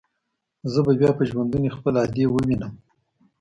زه به بيا په ژوندوني خپله ادې ووينم.